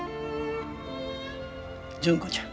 純子ちゃん。